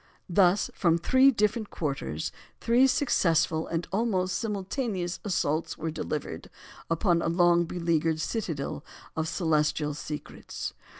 Thus from three different quarters, three successful and almost simultaneous assaults were delivered upon a long beleaguered citadel of celestial secrets.